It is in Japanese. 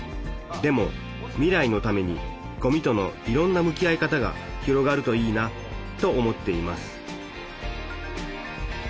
でも未来のためにごみとのいろんな向き合い方が広がるといいなと思っています